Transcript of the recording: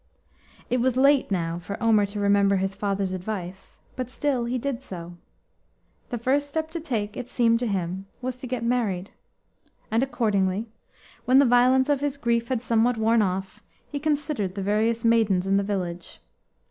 It was late now for Omer to remember his father's advice, but still he did so. The first step to take, it seemed to him, was to get married, and accordingly, when the violence of his grief had somewhat worn off, he considered the various maidens in the village.